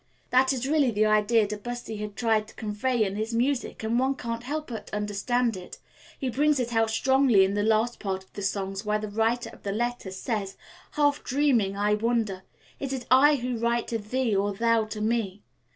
That is really the idea De Bussy has tried to convey in his music and one can't help but understand it. He brings it out strongly in the last part of the song where the writer of the letter says: 'Half dreaming, I wonder: Is it I who write to thee, or thou to me?'